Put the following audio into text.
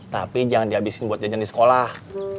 tapi jangan dihabisin buat jajan di sekolah